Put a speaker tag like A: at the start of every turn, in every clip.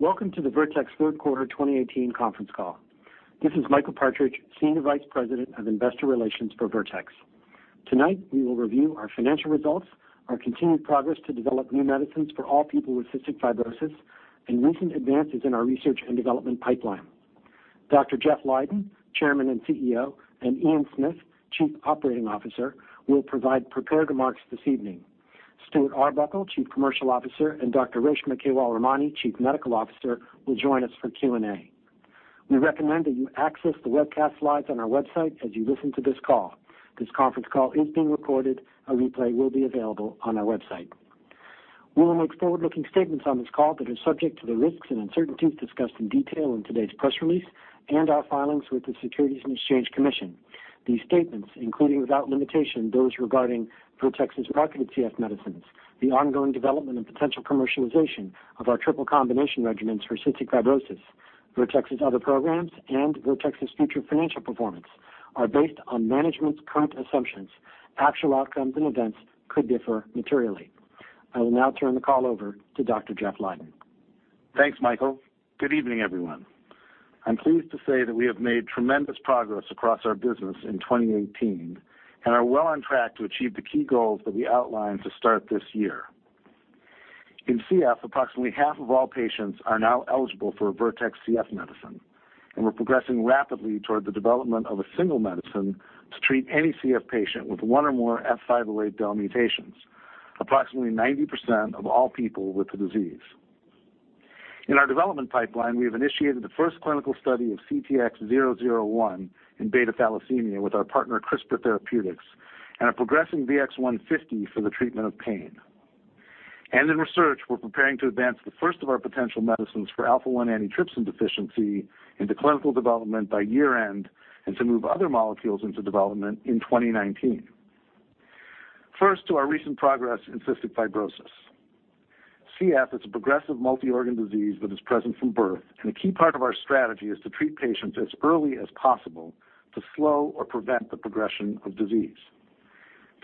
A: Welcome to the Vertex third quarter 2018 conference call. This is Michael Partridge, Senior Vice President of Investor Relations for Vertex. Tonight, we will review our financial results, our continued progress to develop new medicines for all people with cystic fibrosis, and recent advances in our research and development pipeline. Dr. Jeffrey Leiden, Chairman and CEO, and Ian Smith, Chief Operating Officer, will provide prepared remarks this evening. Stuart Arbuckle, Chief Commercial Officer, and Dr. Reshma Kewalramani, Chief Medical Officer, will join us for Q&A. We recommend that you access the webcast slides on our website as you listen to this call. This conference call is being recorded. A replay will be available on our website. We will make forward-looking statements on this call that are subject to the risks and uncertainties discussed in detail in today's press release and our filings with the Securities and Exchange Commission. These statements, including without limitation those regarding Vertex's marketed CF medicines, the ongoing development and potential commercialization of our triple combination regimens for cystic fibrosis, Vertex's other programs, and Vertex's future financial performance are based on management's current assumptions. Actual outcomes and events could differ materially. I will now turn the call over to Dr. Jeffrey Leiden.
B: Thanks, Michael. Good evening, everyone. I'm pleased to say that we have made tremendous progress across our business in 2018 and are well on track to achieve the key goals that we outlined to start this year. In CF, approximately half of all patients are now eligible for a Vertex CF medicine, and we're progressing rapidly toward the development of a single medicine to treat any CF patient with one or more F508del mutations, approximately 90% of all people with the disease. In our development pipeline, we have initiated the first clinical study of CTX001 in beta thalassemia with our partner, CRISPR Therapeutics, and are progressing VX-150 for the treatment of pain. In research, we're preparing to advance the first of our potential medicines for alpha-1 antitrypsin deficiency into clinical development by year-end, and to move other molecules into development in 2019. First, to our recent progress in cystic fibrosis. CF is a progressive multi-organ disease that is present from birth. A key part of our strategy is to treat patients as early as possible to slow or prevent the progression of disease.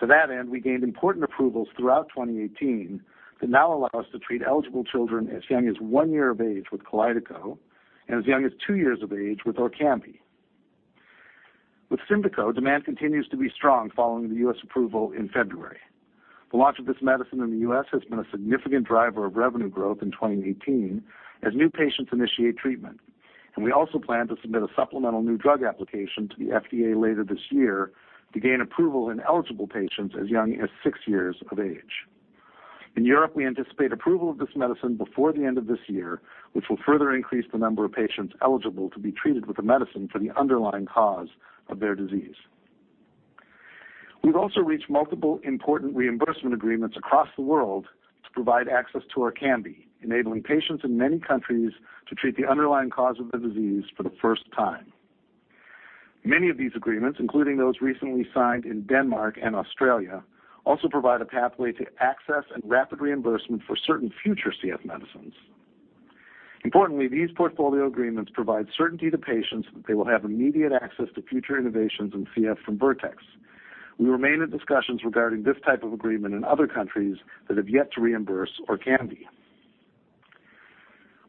B: To that end, we gained important approvals throughout 2018 that now allow us to treat eligible children as young as one year of age with KALYDECO and as young as two years of age with ORKAMBI. With SYMDEKO, demand continues to be strong following the U.S. approval in February. The launch of this medicine in the U.S. has been a significant driver of revenue growth in 2018 as new patients initiate treatment. We also plan to submit a supplemental new drug application to the FDA later this year to gain approval in eligible patients as young as six years of age. In Europe, we anticipate approval of this medicine before the end of this year, which will further increase the number of patients eligible to be treated with the medicine for the underlying cause of their disease. We've also reached multiple important reimbursement agreements across the world to provide access to ORKAMBI, enabling patients in many countries to treat the underlying cause of the disease for the first time. Many of these agreements, including those recently signed in Denmark and Australia, also provide a pathway to access and rapid reimbursement for certain future CF medicines. Importantly, these portfolio agreements provide certainty to patients that they will have immediate access to future innovations in CF from Vertex. We remain in discussions regarding this type of agreement in other countries that have yet to reimburse ORKAMBI.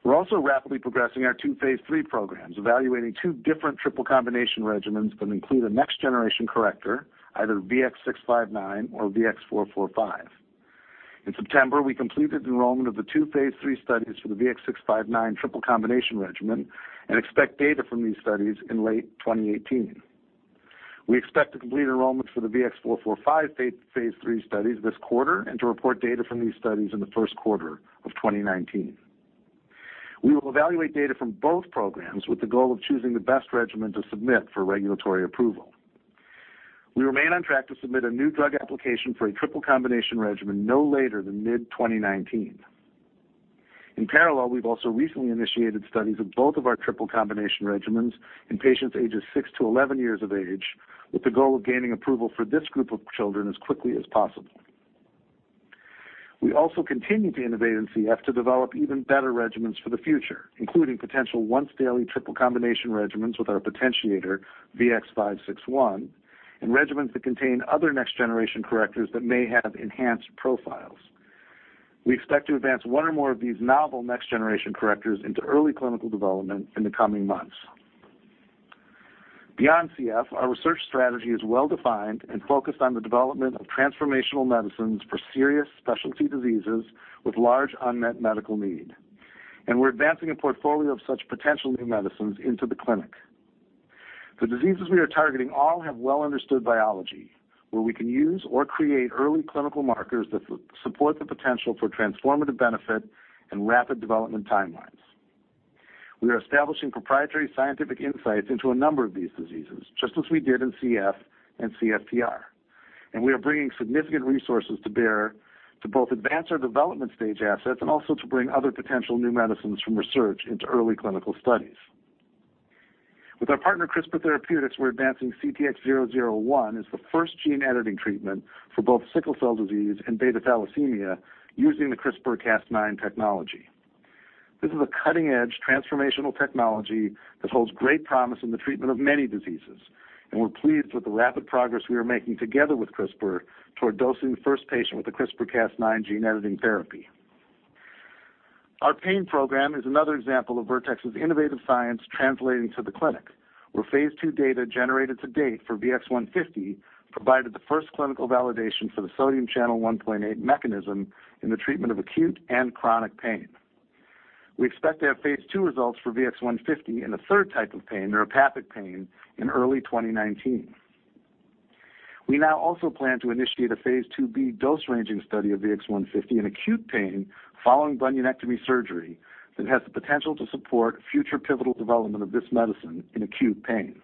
B: We're also rapidly progressing our two phase III programs, evaluating two different triple combination regimens that include a next-generation corrector, either VX-659 or VX-445. In September, we completed enrollment of the two phase III studies for the VX-659 triple combination regimen and expect data from these studies in late 2018. We expect to complete enrollments for the VX-445 phase III studies this quarter and to report data from these studies in the first quarter of 2019. We will evaluate data from both programs with the goal of choosing the best regimen to submit for regulatory approval. We remain on track to submit a new drug application for a triple combination regimen no later than mid-2019. In parallel, we've also recently initiated studies of both of our triple combination regimens in patients ages 6 to 11 years of age, with the goal of gaining approval for this group of children as quickly as possible. We also continue to innovate in CF to develop even better regimens for the future, including potential once-daily triple combination regimens with our potentiator, VX-561, and regimens that contain other next-generation correctors that may have enhanced profiles. We expect to advance one or more of these novel next-generation correctors into early clinical development in the coming months. Beyond CF, our research strategy is well-defined and focused on the development of transformational medicines for serious specialty diseases with large unmet medical need. We're advancing a portfolio of such potential new medicines into the clinic. The diseases we are targeting all have well-understood biology, where we can use or create early clinical markers that support the potential for transformative benefit and rapid development timelines. We are establishing proprietary scientific insights into a number of these diseases, just as we did in CF and CFTR, and we are bringing significant resources to bear to both advance our development stage assets and also to bring other potential new medicines from research into early clinical studies. With our partner, CRISPR Therapeutics, we're advancing CTX001 as the first gene-editing treatment for both sickle cell disease and beta thalassemia using the CRISPR-Cas9 technology. This is a cutting-edge transformational technology that holds great promise in the treatment of many diseases, and we're pleased with the rapid progress we are making together with CRISPR toward dosing the first patient with the CRISPR-Cas9 gene editing therapy. Our pain program is another example of Vertex's innovative science translating to the clinic, where phase II data generated to date for VX-150 provided the first clinical validation for the sodium channel 1.8 mechanism in the treatment of acute and chronic pain. We expect to have phase II results for VX-150 in a third type of pain, neuropathic pain, in early 2019. We now also plan to initiate a phase II-B dose-ranging study of VX-150 in acute pain following bunionectomy surgery that has the potential to support future pivotal development of this medicine in acute pain.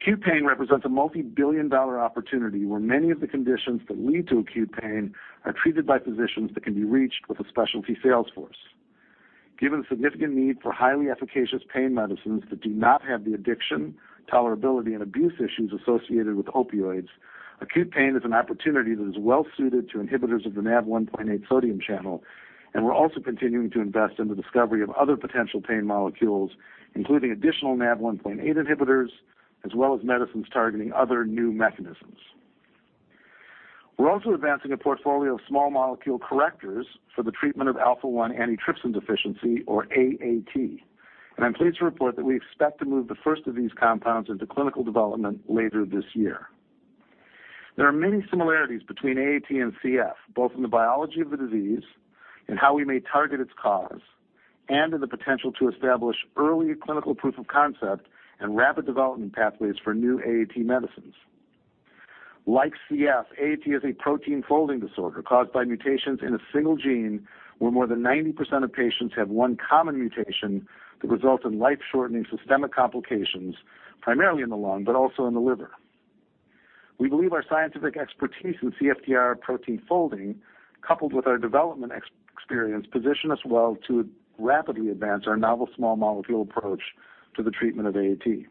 B: Acute pain represents a multi-billion dollar opportunity where many of the conditions that lead to acute pain are treated by physicians that can be reached with a specialty sales force. Given the significant need for highly efficacious pain medicines that do not have the addiction, tolerability, and abuse issues associated with opioids, acute pain is an opportunity that is well suited to inhibitors of the NaV1.8 sodium channel, and we're also continuing to invest in the discovery of other potential pain molecules, including additional NaV1.8 inhibitors, as well as medicines targeting other new mechanisms. We're also advancing a portfolio of small molecule correctors for the treatment of alpha-1 antitrypsin deficiency, or AAT, and I'm pleased to report that we expect to move the first of these compounds into clinical development later this year. There are many similarities between AAT and CF, both in the biology of the disease, in how we may target its cause, and in the potential to establish early clinical proof of concept and rapid development pathways for new AAT medicines. Like CF, AAT is a protein folding disorder caused by mutations in a single gene where more than 90% of patients have one common mutation that results in life-shortening systemic complications, primarily in the lung, but also in the liver. We believe our scientific expertise in CFTR protein folding, coupled with our development experience, position us well to rapidly advance our novel small molecule approach to the treatment of AAT.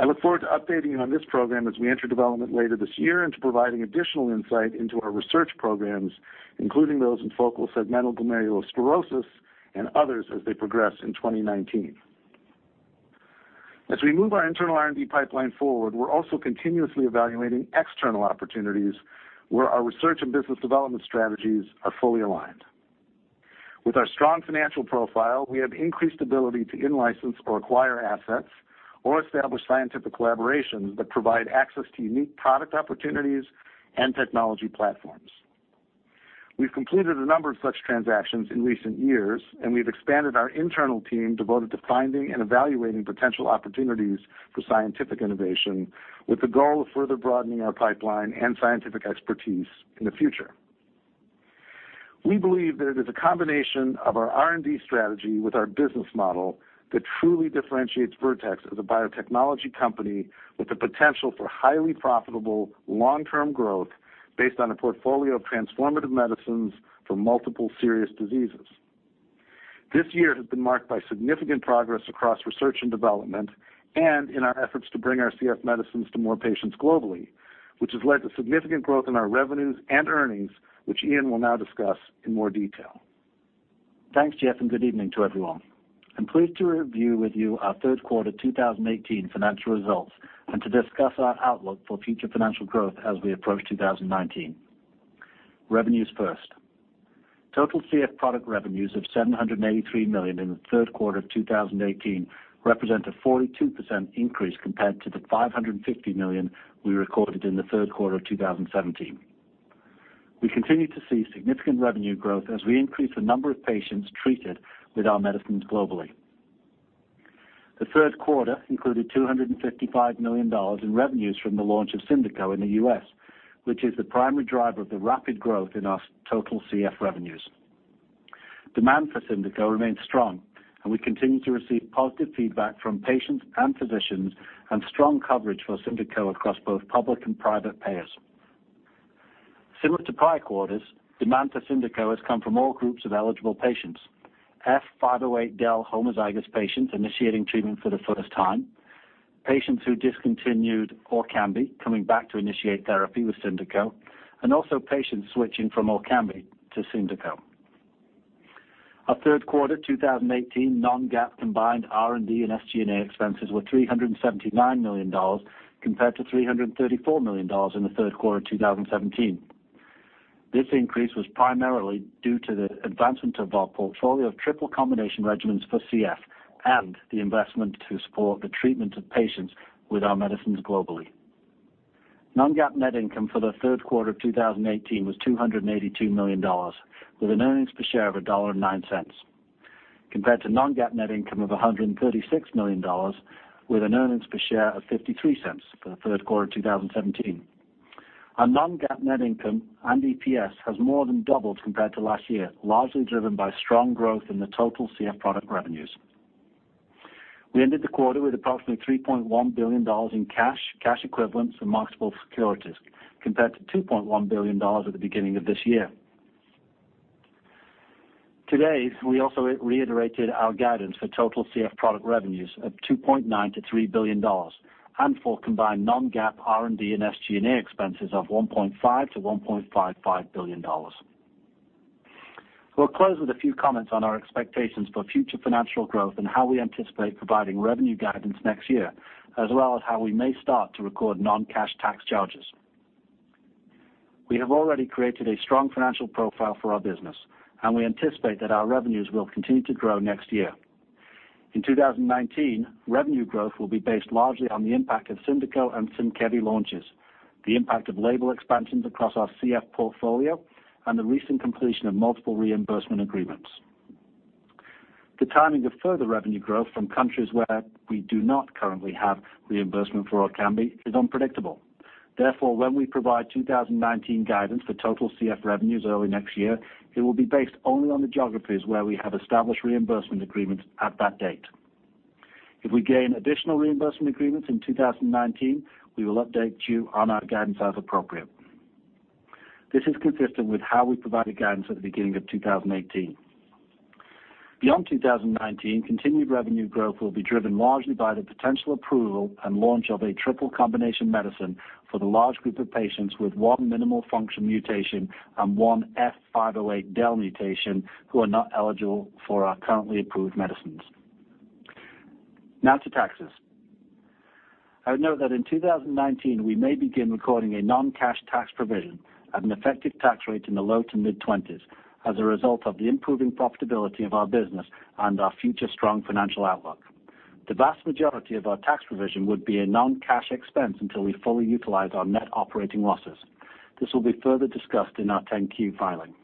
B: I look forward to updating you on this program as we enter development later this year and to providing additional insight into our research programs, including those in focal segmental glomerulosclerosis and others as they progress in 2019. As we move our internal R&D pipeline forward, we're also continuously evaluating external opportunities where our research and business development strategies are fully aligned. With our strong financial profile, we have increased ability to in-license or acquire assets or establish scientific collaborations that provide access to unique product opportunities and technology platforms. We've completed a number of such transactions in recent years, we've expanded our internal team devoted to finding and evaluating potential opportunities for scientific innovation with the goal of further broadening our pipeline and scientific expertise in the future. We believe that it is a combination of our R&D strategy with our business model that truly differentiates Vertex as a biotechnology company with the potential for highly profitable long-term growth based on a portfolio of transformative medicines for multiple serious diseases. This year has been marked by significant progress across research and development and in our efforts to bring our CF medicines to more patients globally, which has led to significant growth in our revenues and earnings, which Ian will now discuss in more detail.
C: Thanks, Jeff, and good evening to everyone. I'm pleased to review with you our third quarter 2018 financial results and to discuss our outlook for future financial growth as we approach 2019. Revenues first. Total CF product revenues of $783 million in the third quarter of 2018 represent a 42% increase compared to the $550 million we recorded in the third quarter of 2017. We continue to see significant revenue growth as we increase the number of patients treated with our medicines globally. The third quarter included $255 million in revenues from the launch of SYMDEKO in the U.S., which is the primary driver of the rapid growth in our total CF revenues. Demand for SYMDEKO remains strong, and we continue to receive positive feedback from patients and physicians and strong coverage for SYMDEKO across both public and private payers. Similar to prior quarters, demand for SYMDEKO has come from all groups of eligible patients. F508del homozygous patients initiating treatment for the first time, patients who discontinued ORKAMBI coming back to initiate therapy with SYMDEKO, and also patients switching from ORKAMBI to SYMDEKO. Our third quarter 2018 non-GAAP combined R&D and SG&A expenses were $379 million compared to $334 million in the third quarter of 2017. This increase was primarily due to the advancement of our portfolio of triple combination regimens for CF and the investment to support the treatment of patients with our medicines globally. Non-GAAP net income for the third quarter of 2018 was $282 million, with an earnings per share of $1.09, compared to non-GAAP net income of $136 million, with an earnings per share of $0.53 for the third quarter of 2017. Our non-GAAP net income and EPS has more than doubled compared to last year, largely driven by strong growth in the total CF product revenues. We ended the quarter with approximately $3.1 billion in cash equivalents, and marketable securities, compared to $2.1 billion at the beginning of this year. Today, we also reiterated our guidance for total CF product revenues of $2.9 billion-$3 billion and for combined non-GAAP R&D and SG&A expenses of $1.5 billion-$1.55 billion. We'll close with a few comments on our expectations for future financial growth and how we anticipate providing revenue guidance next year, as well as how we may start to record non-cash tax charges. We have already created a strong financial profile for our business, and we anticipate that our revenues will continue to grow next year. In 2019, revenue growth will be based largely on the impact of SYMDEKO and SYMKEVI launches, the impact of label expansions across our CF portfolio, and the recent completion of multiple reimbursement agreements. The timing of further revenue growth from countries where we do not currently have reimbursement for ORKAMBI is unpredictable. Therefore, when we provide 2019 guidance for total CF revenues early next year, it will be based only on the geographies where we have established reimbursement agreements at that date. If we gain additional reimbursement agreements in 2019, we will update you on our guidance as appropriate. This is consistent with how we provided guidance at the beginning of 2018. Beyond 2019, continued revenue growth will be driven largely by the potential approval and launch of a triple-combination medicine for the large group of patients with one minimal function mutation and one F508del mutation who are not eligible for our currently approved medicines. Now to taxes. I would note that in 2019, we may begin recording a non-cash tax provision at an effective tax rate in the low to mid-20s as a result of the improving profitability of our business and our future strong financial outlook. The vast majority of our tax provision would be a non-cash expense until we fully utilize our net operating losses. This will be further discussed in our 10-Q filing.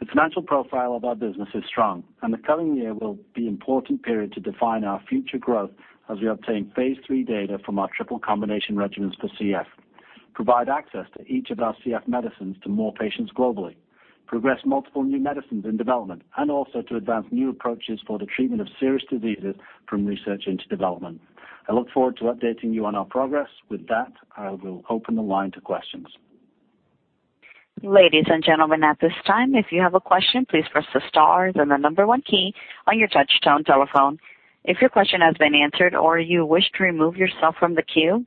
C: The financial profile of our business is strong, the coming year will be important period to define our future growth as we obtain phase III data from our triple-combination regimens for CF, provide access to each of our CF medicines to more patients globally, progress multiple new medicines in development, and also to advance new approaches for the treatment of serious diseases from research into development. I look forward to updating you on our progress. With that, I will open the line to questions.
D: Ladies and gentlemen, at this time, if you have a question, please press the star then the number one key on your touchtone telephone. If your question has been answered or you wish to remove yourself from the queue,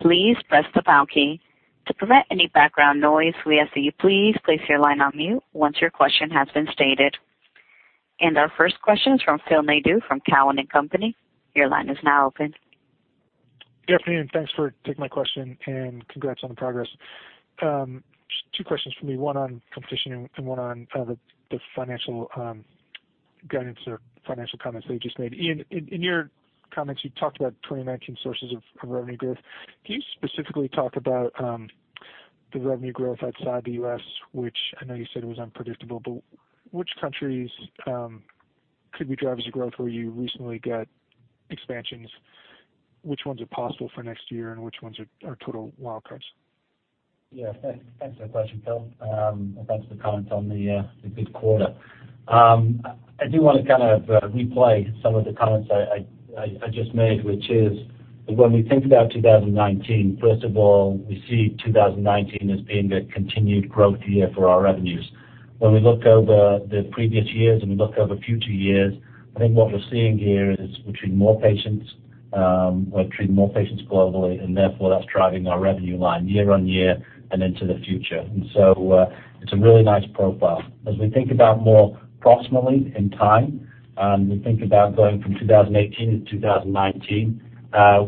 D: please press the pound key. To prevent any background noise, we ask that you please place your line on mute once your question has been stated. Our first question is from Phil Nadeau from Cowen and Company. Your line is now open.
E: Good afternoon. Thanks for taking my question and congrats on the progress. Two questions for me, one on competition and one on the financial guidance or financial comments that you just made. Ian, in your comments, you talked about 2019 sources of revenue growth. Can you specifically talk about the revenue growth outside the U.S., which I know you said it was unpredictable, but which countries could be drivers of growth where you recently got expansions? Which ones are possible for next year and which ones are total wild cards?
C: Thanks for the question, Phil. Thanks for comments on the good quarter. I do want to replay some of the comments I just made. When we think about 2019, first of all, we see 2019 as being a continued growth year for our revenues. When we look over the previous years and we look over future years, I think what we're seeing here is we're treating more patients globally. Therefore, that's driving our revenue line year on year and into the future. It's a really nice profile. As we think about more proximally in time, and we think about going from 2018 to 2019,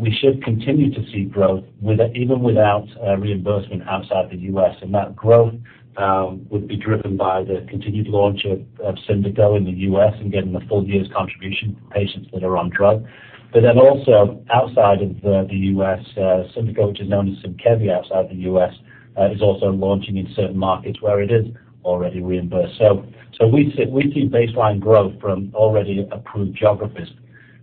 C: we should continue to see growth even without reimbursement outside the U.S. That growth would be driven by the continued launch of SYMDEKO in the U.S. and getting the full year's contribution from patients that are on drug. Also outside of the U.S., SYMDEKO, which is known as SYMKEVI outside the U.S., is also launching in certain markets where it is already reimbursed. We see baseline growth from already approved geographies.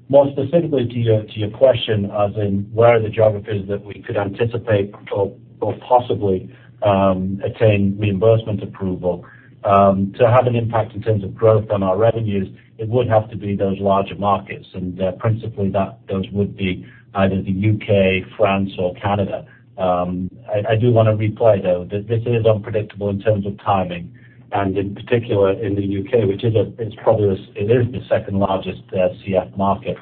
C: More specifically to your question, as in where are the geographies that we could anticipate or possibly attain reimbursement approval to have an impact in terms of growth on our revenues, it would have to be those larger markets. Principally those would be either the U.K., France, or Canada. I do want to replay, though, that this is unpredictable in terms of timing, and in particular in the U.K., which it is the second largest CF market.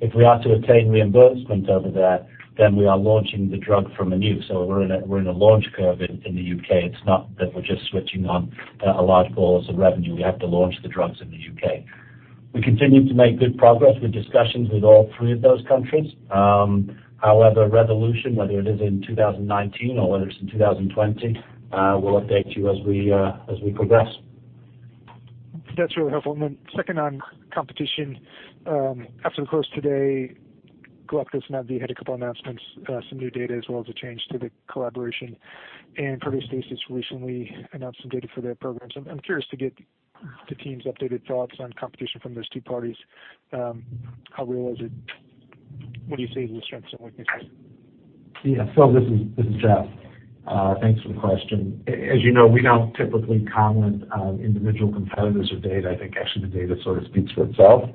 C: If we are to attain reimbursement over there, we are launching the drug from anew. We're in a launch curve in the U.K. It's not that we're just switching on a large bolus of revenue. We have to launch the drugs in the U.K. We continue to make good progress with discussions with all three of those countries. However, resolution, whether it is in 2019 or whether it's in 2020, we'll update you as we progress.
E: That's really helpful. Second on competition. After the close today, Galapagos and AbbVie had a couple announcements, some new data as well as a change to the collaboration. Vertex recently announced some data for their programs. I'm curious to get the team's updated thoughts on competition from those two parties. How real is it? What do you see as the strengths and weaknesses?
B: Yeah. Phil, this is Jeff. Thanks for the question. As you know, we don't typically comment on individual competitors or data. I think actually the data sort of speaks for itself.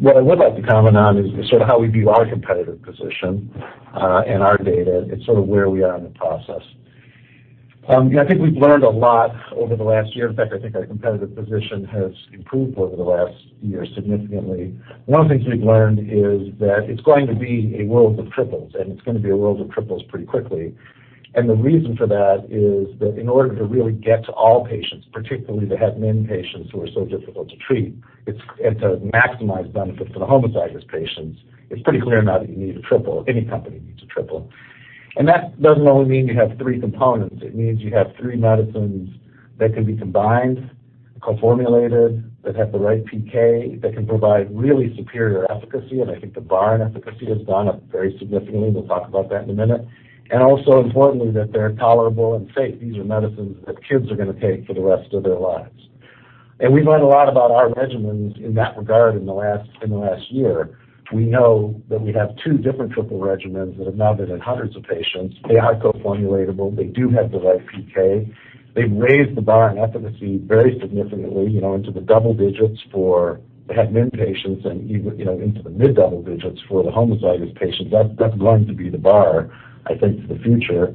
B: What I would like to comment on is sort of how we view our competitive position and our data and sort of where we are in the process. Yeah, I think we've learned a lot over the last year. In fact, I think our competitive position has improved over the last year significantly. One of the things we've learned is that it's going to be a world of triples, and it's going to be a world of triples pretty quickly. The reason for that is that in order to really get to all patients, particularly the het min patients who are so difficult to treat, and to maximize benefit for the homozygous patients, it's pretty clear now that you need a triple. Any company needs a triple. That doesn't only mean you have three components. It means you have three medicines that can be combined, co-formulated, that have the right PK, that can provide really superior efficacy, and I think the bar on efficacy has gone up very significantly. We'll talk about that in a minute. Also importantly, that they're tolerable and safe. These are medicines that kids are going to take for the rest of their lives. We've learned a lot about our regimens in that regard in the last year. We know that we have two different triple regimens that have now been in hundreds of patients. They are co-formulatable. They do have the right PK. They've raised the bar on efficacy very significantly into the double digits for the het min patients and even into the mid-double digits for the homozygous patients. That's going to be the bar, I think, for the future.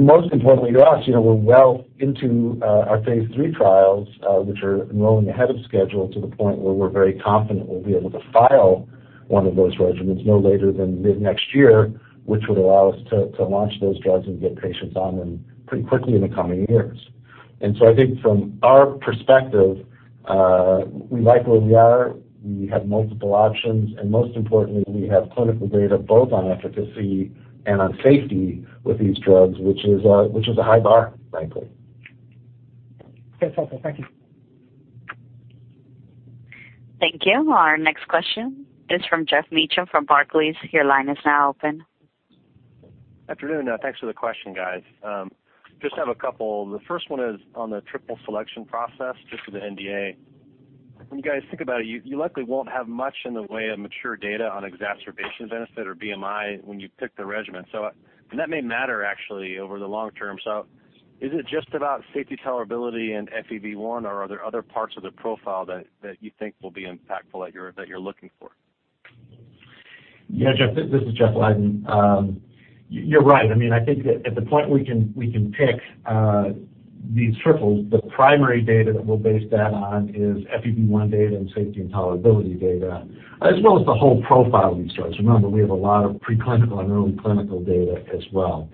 B: Most importantly to us, we're well into our phase III trials, which are enrolling ahead of schedule to the point where we're very confident we'll be able to file one of those regimens no later than mid-next year, which would allow us to launch those drugs and get patients on them pretty quickly in the coming years. I think from our perspective, we like where we are. We have multiple options, and most importantly, we have clinical data both on efficacy and on safety with these drugs, which is a high bar, frankly.
C: Okay. Thank you.
D: Thank you. Our next question is from Geoff Meacham from Barclays. Your line is now open.
F: Afternoon. Thanks for the question, guys. Just have a couple. The first one is on the triple selection process, just for the NDA. When you guys think about it, you likely won't have much in the way of mature data on exacerbation benefit or BMI when you pick the regimen. That may matter actually over the long term. Is it just about safety tolerability and FEV1, or are there other parts of the profile that you think will be impactful that you're looking for?
B: Yeah, Jeff, this is Jeffrey Leiden. You're right. I think that at the point we can pick these triples, the primary data that we'll base that on is FEV1 data and safety and tolerability data, as well as the whole profile resource. Remember, we have a lot of preclinical and early clinical data as well.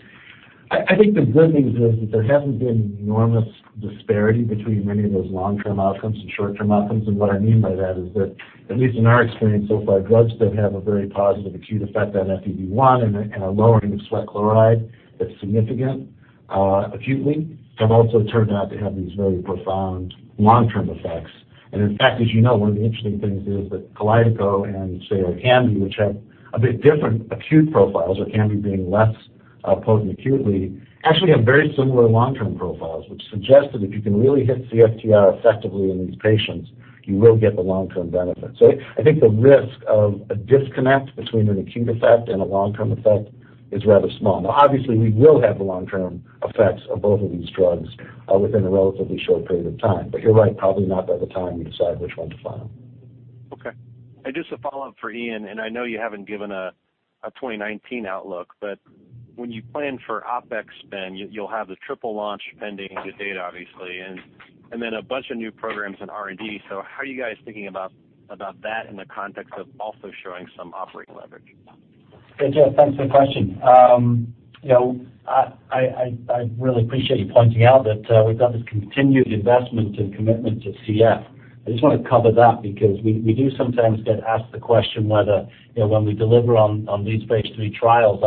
B: I think the good news is that there hasn't been an enormous disparity between many of those long-term outcomes and short-term outcomes. What I mean by that is that, at least in our experience so far, drugs that have a very positive acute effect on FEV1 and a lowering of sweat chloride that's significant acutely have also turned out to have these very profound long-term effects. In fact, as you know, one of the interesting things is that KALYDECO and say, ORKAMBI, which have a bit different acute profiles, ORKAMBI being less potent acutely, actually have very similar long-term profiles, which suggest that if you can really hit CFTR effectively in these patients, you will get the long-term benefit. I think the risk of a disconnect between an acute effect and a long-term effect is rather small. Now, obviously, we will have the long-term effects of both of these drugs within a relatively short period of time. You're right, probably not by the time we decide which one to file.
F: Okay. Just a follow-up for Ian, and I know you haven't given a 2019 outlook, but when you plan for OpEx spend, you'll have the triple launch pending the data, obviously, and then a bunch of new programs in R&D. How are you guys thinking about that in the context of also showing some operating leverage?
C: Hey, Jeff, thanks for the question. I really appreciate you pointing out that we've got this continued investment and commitment to CF. I just want to cover that because we do sometimes get asked the question whether when we deliver on these phase III trials,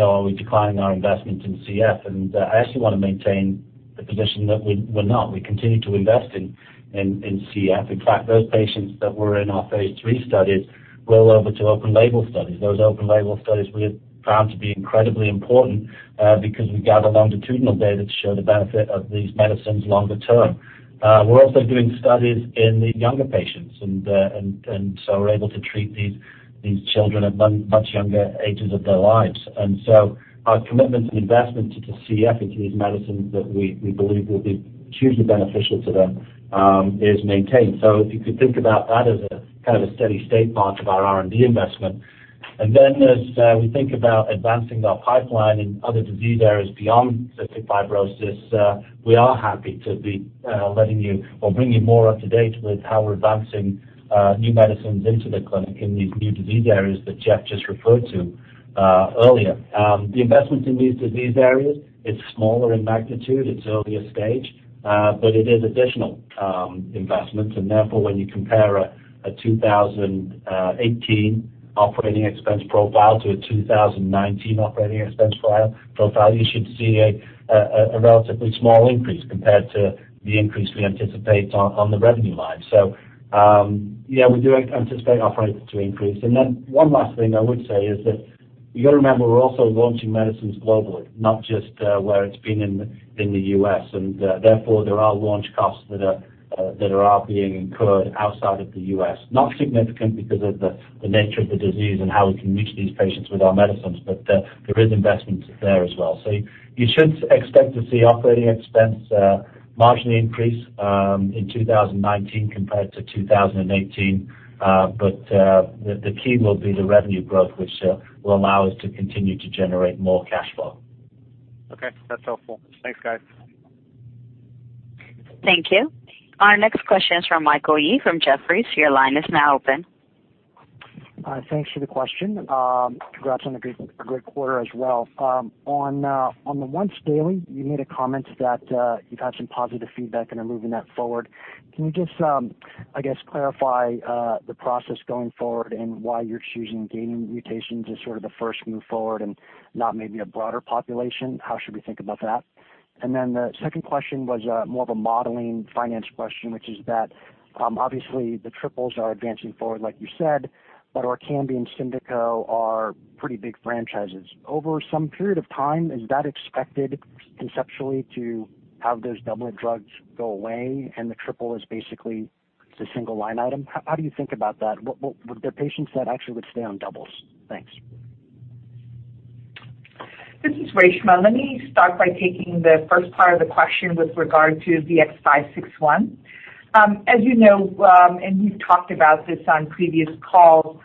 C: are we declining our investment in CF? I actually want to maintain the position that we're not. We continue to invest in CF. In fact, those patients that were in our phase III studies roll over to open label studies. Those open label studies we have found to be incredibly important because we gather longitudinal data to show the benefit of these medicines longer term. We're also doing studies in the younger patients, and so we're able to treat these children at much younger ages of their lives. Our commitment and investment to CF and to these medicines that we believe will be hugely beneficial to them is maintained. If you could think about that as a steady state part of our R&D investment. As we think about advancing our pipeline in other disease areas beyond cystic fibrosis, we are happy to be letting you or bring you more up to date with how we're advancing new medicines into the clinic in these new disease areas that Jeff just referred to earlier. The investment in these disease areas, it's smaller in magnitude, it's earlier stage, but it is additional investment. When you compare a 2018 operating expense profile to a 2019 operating expense profile, you should see a relatively small increase compared to the increase we anticipate on the revenue line. Yeah, we do anticipate operating to increase. One last thing I would say is that you got to remember, we're also launching medicines globally, not just where it's been in the U.S. There are launch costs that are being incurred outside of the U.S. Not significant because of the nature of the disease and how we can reach these patients with our medicines, but there is investment there as well. You should expect to see operating expense marginally increase in 2019 compared to 2018. The key will be the revenue growth, which will allow us to continue to generate more cash flow.
F: That's helpful. Thanks, guys.
D: Thank you. Our next question is from Michael Yee from Jefferies. Your line is now open.
G: Thanks for the question. Congrats on a great quarter as well. On the once daily, you made a comment that you've had some positive feedback and are moving that forward. Can you just, I guess, clarify the process going forward and why you're choosing gating mutations as sort of the first move forward and not maybe a broader population? How should we think about that? The second question was more of a modeling finance question, which is that obviously the triples are advancing forward, like you said, but ORKAMBI and SYMDEKO are pretty big franchises. Over some period of time, is that expected conceptually to have those doublet drugs go away and the triple is basically just a single line item? How do you think about that? Would there be patients that actually would stay on doubles? Thanks.
H: This is Reshma. Let me start by taking the first part of the question with regard to VX-561. As you know, and we've talked about this on previous calls,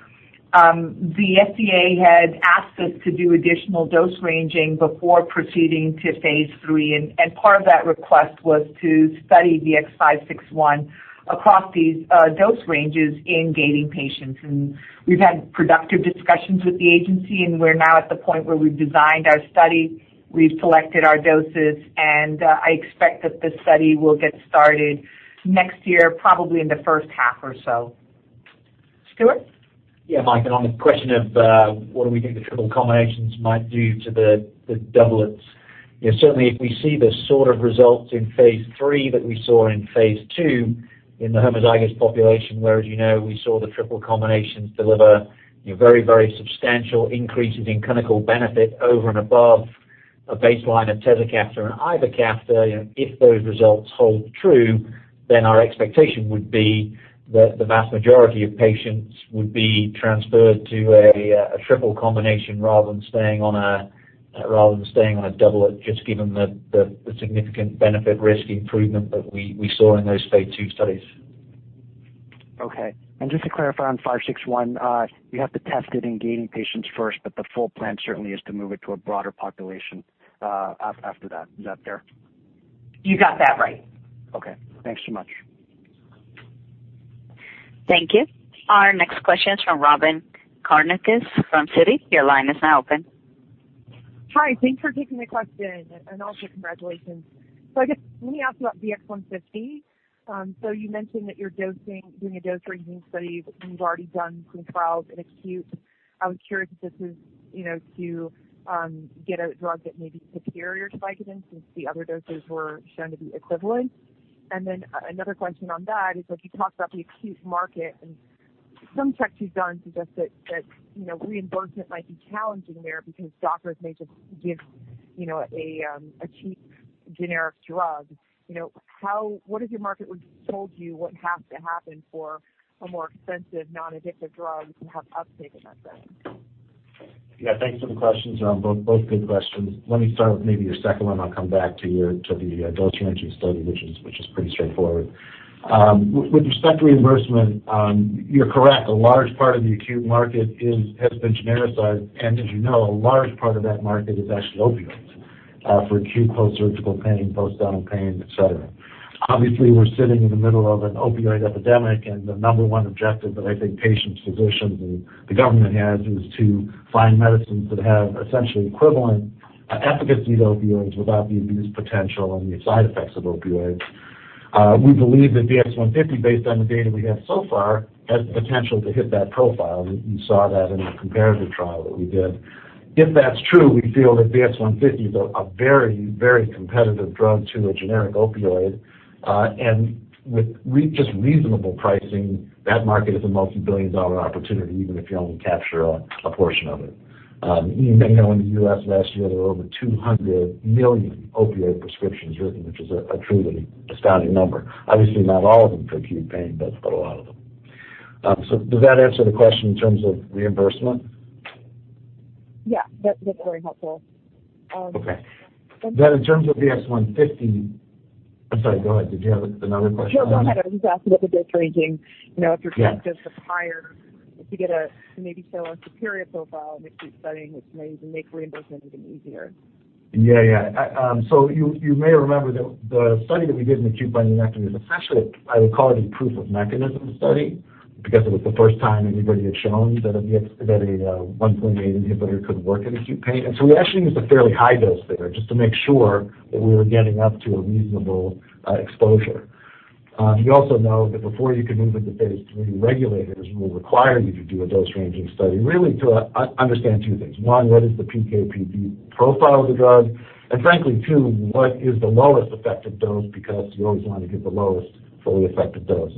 H: the FDA had asked us to do additional dose ranging before proceeding to phase III, and part of that request was to study VX-561 across these dose ranges in gating patients. We've had productive discussions with the agency, and we're now at the point where we've designed our study, we've selected our doses, and I expect that the study will get started next year, probably in the first half or so. Stuart?
I: Yeah. Mike, on the question of what do we think the triple combinations might do to the doublets. Certainly, if we see the sort of results in phase III that we saw in phase II in the homozygous population, where as you know, we saw the triple combinations deliver very substantial increases in clinical benefit over and above a baseline of tezacaftor and ivacaftor. If those results hold true, our expectation would be that the vast majority of patients would be transferred to a triple combination rather than staying on a doublet, just given the significant benefit risk improvement that we saw in those phase II studies.
G: Okay. Just to clarify on VX-561, you have to test it in gating patients first, but the full plan certainly is to move it to a broader population after that. Is that fair?
H: You got that right.
G: Okay. Thanks so much.
D: Thank you. Our next question is from Robyn Karnauskas from Citi. Your line is now open.
J: Hi. Thanks for taking the question and also congratulations. I guess, let me ask you about VX-150. You mentioned that you're doing a dose ranging study, but you've already done some trials in acute. I was curious if this is to get a drug that may be superior to Vicodin since the other doses were shown to be equivalent. Another question on that is, if you talked about the acute market and some checks you've done suggest that reimbursement might be challenging there because doctors may just give a cheap generic drug. What has your market told you what has to happen for a more expensive, non-addictive drug to have uptake in that setting?
B: Yeah, thanks for the questions. Both good questions. Let me start with maybe your second one, and I'll come back to the dose ranging study, which is pretty straightforward. With respect to reimbursement, you're correct. A large part of the acute market has been genericized, and as you know, a large part of that market is actually opioids for acute post-surgical pain, post-dental pain, et cetera. Obviously, we're sitting in the middle of an opioid epidemic, and the number one objective that I think patients, physicians, and the government has is to find medicines that have essentially equivalent efficacy to opioids without the abuse potential and the side effects of opioids. We believe that VX-150, based on the data we have so far, has the potential to hit that profile, and you saw that in the comparative trial that we did. If that's true, we feel that VX-150 is a very competitive drug to a generic opioid. With just reasonable pricing, that market is a multi-billion dollar opportunity, even if you only capture a portion of it. You may know in the U.S. last year, there were over 200 million opioid prescriptions written, which is a truly astounding number. Obviously not all of them for acute pain, but a lot of them. Does that answer the question in terms of reimbursement?
J: Yeah, that's very helpful.
B: Okay. In terms of VX-150 I'm sorry, go ahead. Did you have another question?
J: No, go ahead. I was just asking about the dose ranging, if your practice was higher, if you get a maybe fairly superior profile in the acute setting, which may even make reimbursement even easier.
B: Yeah. You may remember that the study that we did in acute bunionectomy, essentially, I would call it a proof of mechanism study because it was the first time anybody had shown that a NaV1.8 inhibitor could work in acute pain. We actually used a fairly high dose there just to make sure that we were getting up to a reasonable exposure. You also know that before you can move into phase III, regulators will require you to do a dose ranging study, really to understand two things. One, what is the PK/PD profile of the drug? Frankly, two, what is the lowest effective dose? Because you always want to give the lowest fully effective dose.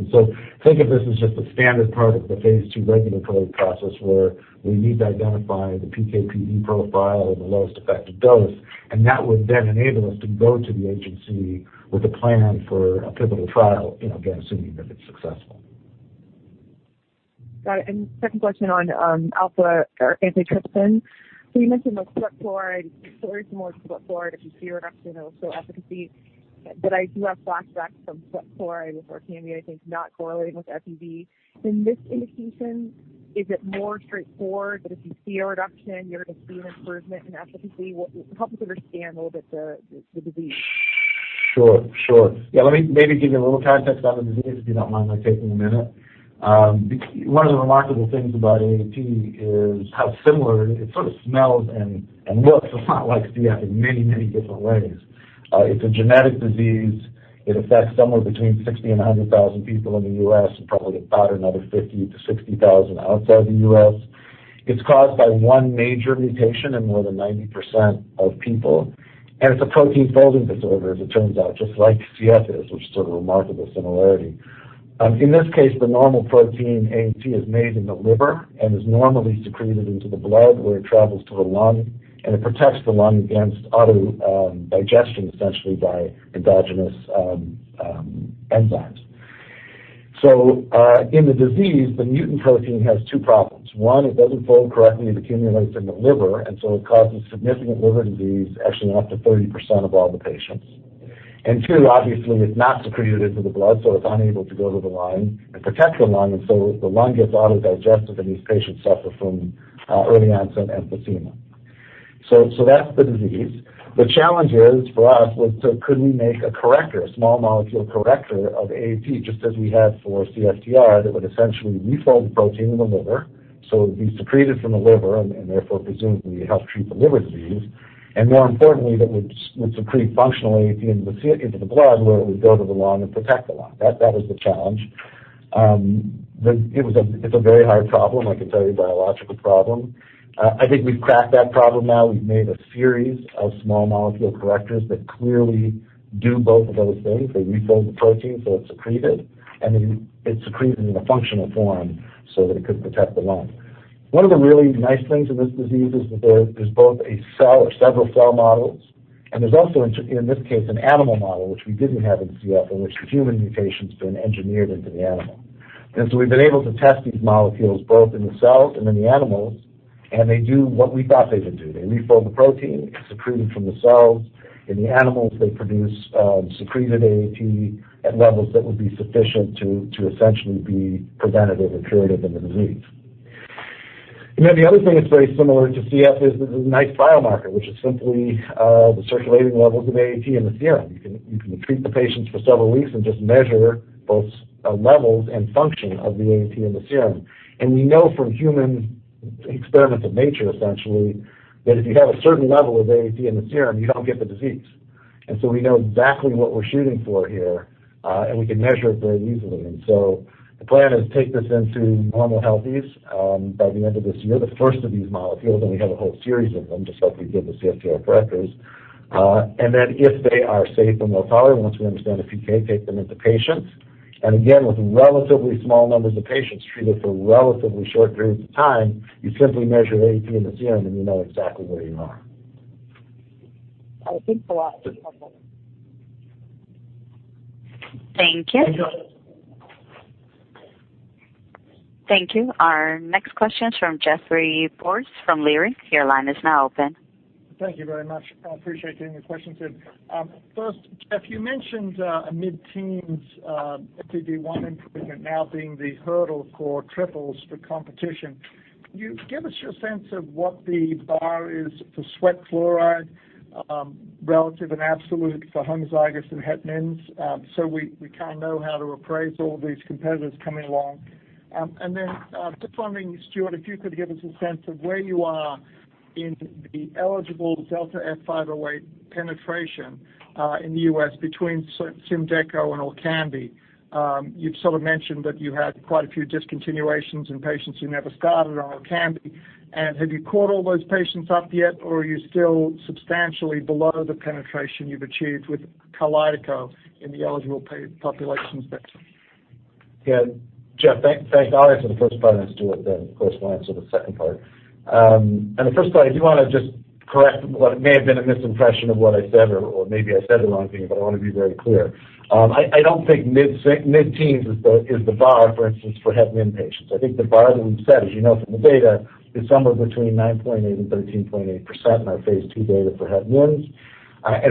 B: Think of this as just a standard part of the phase II regulatory process where we need to identify the PK/PD profile and the lowest effective dose, and that would then enable us to go to the agency with a plan for a pivotal trial, again, assuming that it's successful.
J: Got it. Second question on alpha-1 antitrypsin. You mentioned with sweat chloride, so it's more with sweat chloride. If you see a reduction, it'll show efficacy. I do have flashbacks from sweat chloride with ORKAMBI, I think not correlating with FEV. In this indication, is it more straightforward that if you see a reduction, you're going to see an improvement in efficacy? Help us understand a little bit the disease.
B: Sure. Yeah, let me maybe give you a little context about the disease, if you don't mind my taking a minute. One of the remarkable things about AAT is how similar it sort of smells and looks a lot like CF in many different ways. It's a genetic disease. It affects somewhere between 60,000 and 100,000 people in the U.S. and probably about another 50,000 to 60,000 outside the U.S. It's caused by one major mutation in more than 90% of people, and it's a protein folding disorder, as it turns out, just like CF is, which is a remarkable similarity. In this case, the normal protein, AAT, is made in the liver and is normally secreted into the blood, where it travels to the lung, and it protects the lung against auto-digestion, essentially, by endogenous enzymes. In the disease, the mutant protein has two problems. One, it doesn't fold correctly and accumulates in the liver, and so it causes significant liver disease, actually in up to 30% of all the patients. Two, obviously, it's not secreted into the blood, so it's unable to go to the lung and protect the lung, and so the lung gets auto-digested, and these patients suffer from early onset emphysema. That's the disease. The challenge is, for us, could we make a corrector, a small molecule corrector of AAT, just as we have for CFTR, that would essentially refold the protein in the liver, so it would be secreted from the liver and therefore presumably help treat the liver disease, and more importantly, that would secrete functional AAT into the blood, where it would go to the lung and protect the lung. That was the challenge. It's a very hard problem, I can tell you, biological problem. I think we've cracked that problem now. We've made a series of small molecule correctors that clearly do both of those things. They refold the protein so it's secreted, and then it's secreted in a functional form so that it could protect the lung. One of the really nice things in this disease is that there's both several cell models and there's also, in this case, an animal model, which we didn't have in CF, in which the human mutation's been engineered into the animal. We've been able to test these molecules both in the cells and in the animals, and they do what we thought they would do. They refold the protein, it's secreted from the cells. In the animals, they produce secreted AAT at levels that would be sufficient to essentially be preventative or curative in the disease. The other thing that's very similar to CF is there's a nice biomarker, which is simply the circulating levels of AAT in the serum. You can treat the patients for several weeks and just measure both levels and function of the AAT in the serum. We know from human experiments of nature, essentially, that if you have a certain level of AAT in the serum, you don't get the disease. We know exactly what we're shooting for here, and we can measure it very easily. The plan is to take this into normal healthies by the end of this year, the first of these molecules, and we have a whole series of them, just like we did with CFTR correctors. Then if they are safe and well-tolerated, once we understand the PK, take them into patients. Again, with relatively small numbers of patients treated for relatively short periods of time, you simply measure AAT in the serum, and you know exactly where you are.
A: I think the last couple
D: Thank you.
B: Thank you.
D: Thank you. Our next question is from Geoffrey Porges from Leerink. Your line is now open.
K: Thank you very much. I appreciate getting the question in. First, Jeff, you mentioned a mid-teens FEV1 improvement now being the hurdle for triples for competition. Can you give us your sense of what the bar is for sweat chloride, relative and absolute for homozygous and het mins, so we know how to appraise all these competitors coming along? Then just wondering, Stuart, if you could give us a sense of where you are in the eligible delta F508 penetration in the U.S. between SYMDEKO and ORKAMBI. You've sort of mentioned that you had quite a few discontinuations in patients who never started on ORKAMBI. Have you caught all those patients up yet, or are you still substantially below the penetration you've achieved with KALYDECO in the eligible populations there?
B: Yeah. Jeff, thanks. I'll answer the first part, then Stuart then, of course, will answer the second part. On the first part, I do want to just correct what may have been a misimpression of what I said, or maybe I said the wrong thing, but I want to be very clear. I don't think mid-teens is the bar, for instance, for het mins patients. I think the bar that we've set, as you know from the data, is somewhere between 9.8% and 13.8% in our phase II data for het mins.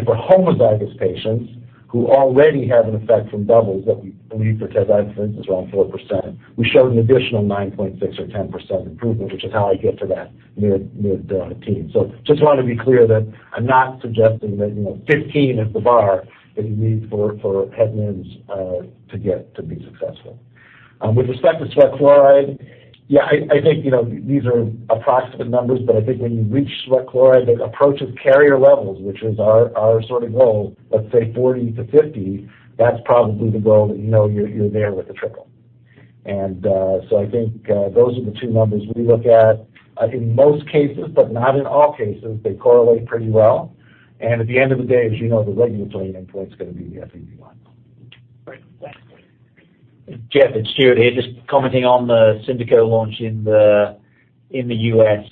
B: For homozygous patients who already have an effect from doubles that we believe, for tezacaftor, for instance, around 4%, we showed an additional 9.6% or 10% improvement, which is how I get to that mid-teens. Just want to be clear that I'm not suggesting that 15 is the bar that you need for het mins to be successful. With respect to sweat chloride, yeah, I think these are approximate numbers, but I think when you reach sweat chloride that approaches carrier levels, which is our sort of goal of, say, 40 to 50, that's probably the goal that you know you're there with the triple. So I think those are the two numbers we look at. I think most cases, but not in all cases, they correlate pretty well. At the end of the day, as you know, the regulatory endpoint's going to be the FEV1.
K: Great. Thanks.
I: Jeff, it's Stuart here, just commenting on the SYMDEKO launch in the U.S.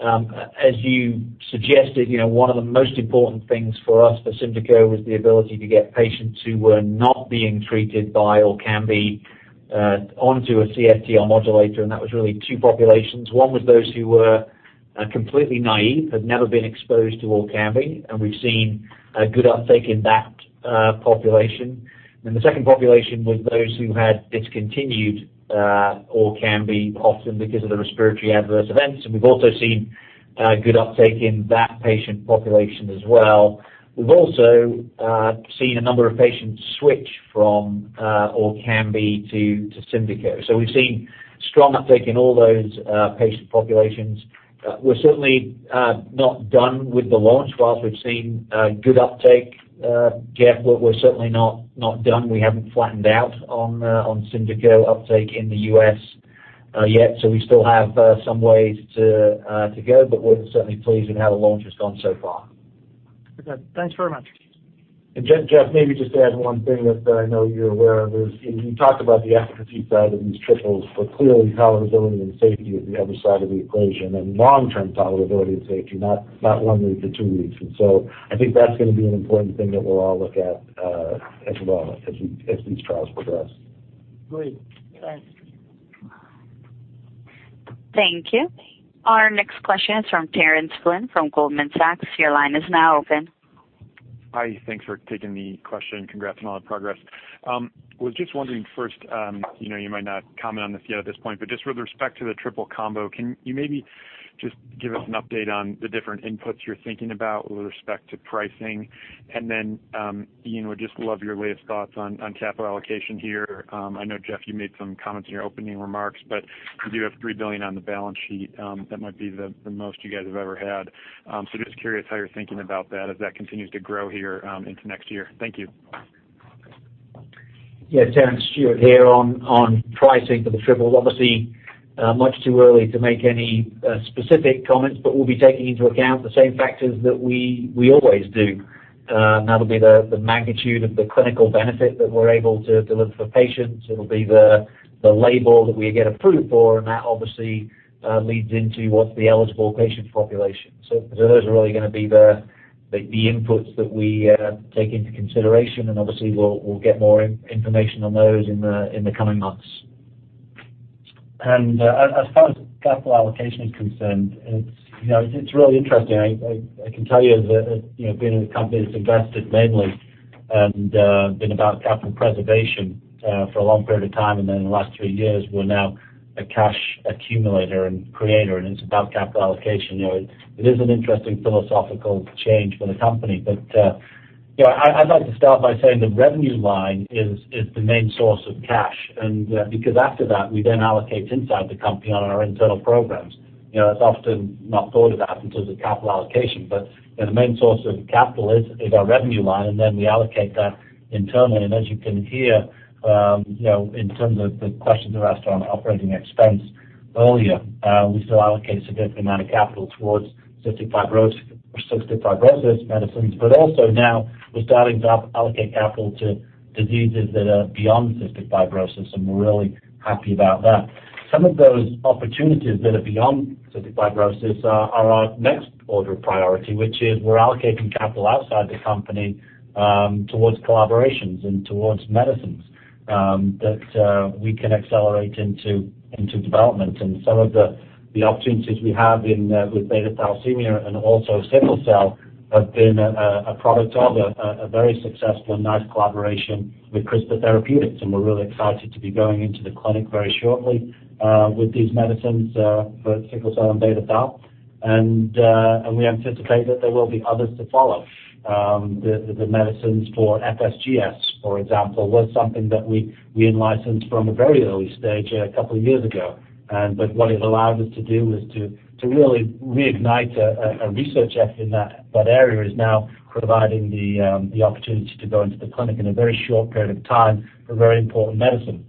I: As you suggested, one of the most important things for us for SYMDEKO was the ability to get patients who were not being treated by ORKAMBI onto a CFTR modulator, and that was really two populations. One was those who were completely naive, had never been exposed to ORKAMBI, and we've seen a good uptake in that population. The second population was those who had discontinued ORKAMBI, often because of the respiratory adverse events. We've also seen A good uptake in that patient population as well. We've also seen a number of patients switch from ORKAMBI to SYMDEKO. We've seen strong uptake in all those patient populations. We're certainly not done with the launch. Whilst we've seen good uptake, Jeff, we're certainly not done. We haven't flattened out on SYMDEKO uptake in the U.S. yet, we still have some ways to go. We're certainly pleased with how the launch has gone so far.
K: Okay, thanks very much.
B: Jeff, maybe just to add one thing that I know you're aware of is, you talked about the efficacy side of these triples, clearly tolerability and safety is the other side of the equation, and long-term tolerability and safety, not one week or two weeks. So I think that's going to be an important thing that we'll all look at as well as these trials progress.
K: Great. Thanks.
D: Thank you. Our next question is from Terence Flynn from Goldman Sachs. Your line is now open.
L: Hi, thanks for taking the question. Congrats on all the progress. I was just wondering first, you might not comment on this yet at this point, but just with respect to the triple combo, can you maybe just give us an update on the different inputs you're thinking about with respect to pricing? Then, Ian, would just love your latest thoughts on capital allocation here. I know, Jeff, you made some comments in your opening remarks, but you do have $3 billion on the balance sheet. That might be the most you guys have ever had. Just curious how you're thinking about that as that continues to grow here into next year. Thank you.
I: Yeah, Terence, Stuart here. On pricing for the triples, obviously, much too early to make any specific comments, but we'll be taking into account the same factors that we always do. That'll be the magnitude of the clinical benefit that we're able to deliver for patients. It'll be the label that we get approved for, and that obviously leads into what's the eligible patient population. Those are really going to be the inputs that we take into consideration. Obviously, we'll get more information on those in the coming months. As far as capital allocation is concerned, it's really interesting. I can tell you that being in a company that's invested mainly and been about capital preservation for a long period of time, then in the last 3 years, we're now a cash accumulator and creator, and it's about capital allocation. It is an interesting philosophical change for the company. I'd like to start by saying the revenue line is the main source of cash, and because after that, we then allocate inside the company on our internal programs. It's often not thought about in terms of capital allocation, but the main source of capital is our revenue line, and then we allocate that internally. As you can hear, in terms of the question that was asked on operating expense earlier, we still allocate a significant amount of capital towards cystic fibrosis medicines, but also now we're starting to allocate capital to diseases that are beyond cystic fibrosis, and we're really happy about that. Some of those opportunities that are beyond cystic fibrosis are our next order priority, which is we're allocating capital outside the company towards collaborations and towards medicines that we can accelerate into development. Some of the opportunities we have with beta thalassemia and also sickle cell have been a product of a very successful and nice collaboration with CRISPR Therapeutics, and we're really excited to be going into the clinic very shortly with these medicines for sickle cell and beta thalassemia. We anticipate that there will be others to follow. The medicines for FSGS, for example, was something that we in-licensed from a very early stage a couple of years ago. What it allowed us to do was to really reignite a research effort in that area is now providing the opportunity to go into the clinic in a very short period of time for a very important medicine.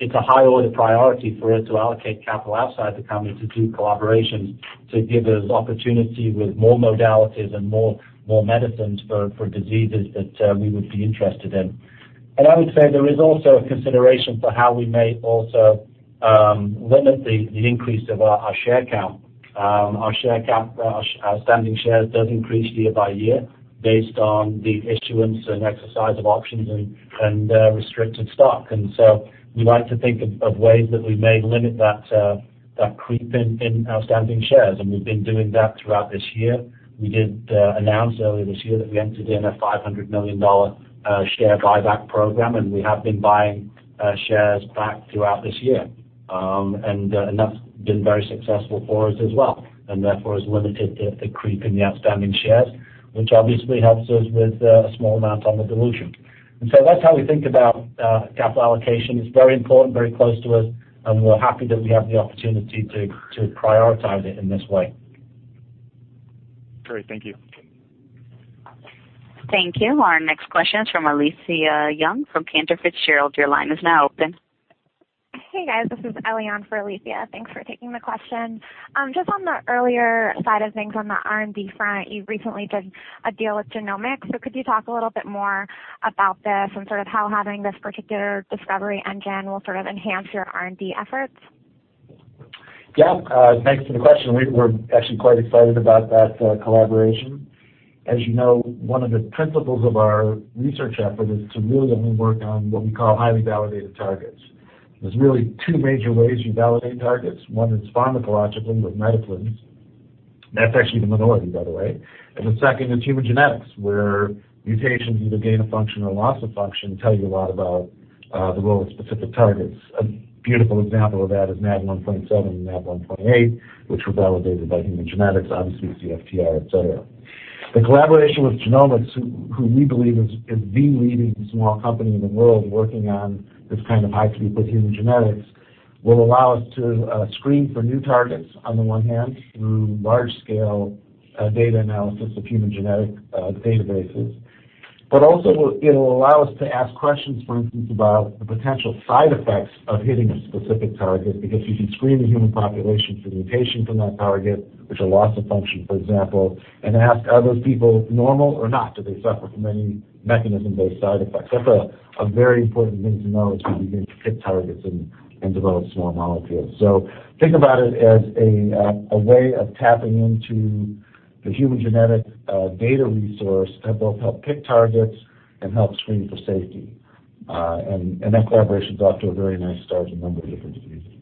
I: It's a high order priority for us to allocate capital outside the company to do collaborations, to give us opportunity with more modalities and more medicines for diseases that we would be interested in. I would say there is also a consideration for how we may also limit the increase of our share count. Our share count, our outstanding shares does increase year by year based on the issuance and exercise of options and restricted stock. We like to think of ways that we may limit that creep in outstanding shares, and we've been doing that throughout this year. We did announce earlier this year that we entered in a $500 million share buyback program, and we have been buying shares back throughout this year. That's been very successful for us as well, therefore has limited the creep in the outstanding shares, which obviously helps us with a small amount on the dilution. That's how we think about capital allocation. It's very important, very close to us, and we're happy that we have the opportunity to prioritize it in this way.
L: Great. Thank you.
D: Thank you. Our next question is from Alethia Young from Cantor Fitzgerald. Your line is now open.
M: Hey, guys, this is Elian for Alethia. Thanks for taking the question. Just on the earlier side of things on the R&D front, you recently did a deal with Genomics. Could you talk a little bit more about this and sort of how having this particular discovery engine will sort of enhance your R&D efforts?
B: Thanks for the question. We're actually quite excited about that collaboration. As you know, one of the principles of our research effort is to really only work on what we call highly validated targets. There are two major ways you validate targets. One is pharmacologically with medicines. That's actually the minority, by the way. The second is human genetics, where mutations, either gain of function or loss of function, tell you a lot about the role of specific targets. A beautiful example of that is NaV1.7 and NaV1.8, which were validated by human genetics, obviously, CFTR, et cetera. The collaboration with Genomics plc, who we believe is the leading small company in the world working on this kind of high throughput human genetics, will allow us to screen for new targets, on the one hand, through large-scale data analysis of human genetic databases. Also, it'll allow us to ask questions, for instance, about the potential side effects of hitting a specific target, because you can screen the human population for mutations in that target, which are loss of function, for example, and ask, are those people normal or not? Do they suffer from any mechanism-based side effects? That's a very important thing to know as we begin to pick targets and develop small molecules. Think about it as a way of tapping into the human genetic data resource to both help pick targets and help screen for safety. That collaboration is off to a very nice start in a number of different diseases.